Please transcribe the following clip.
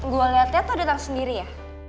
gue liatnya toto dateng sendiri ya